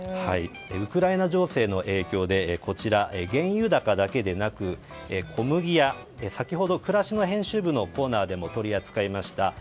ウクライナ情勢の影響で原油高だけでなく小麦や、先ほど暮らしの編集部のコーナーでも取り扱いました